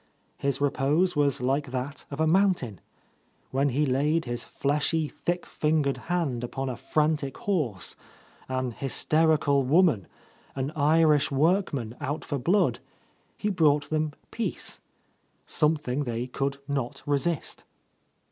His repose was like that of a mountain. When he laid his fleshy, thick fingered hand upon a frantic horse, an hysterical woman, an Irish workman out for —48— A Lost Lady blood, he brought them peace; something they could not resist.